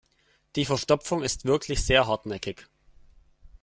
Die Verstopfung ist wirklich sehr hartnäckig.